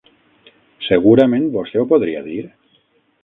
Segurament vostè ho podria dir?